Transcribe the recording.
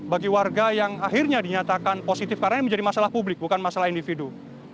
bagi warga yang akhirnya dinyatakan positif karena ini menjadi masalah publik bukan masalah individu